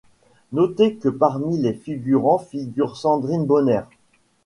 Noter que parmi les figurants figure Sandrine Bonnaire.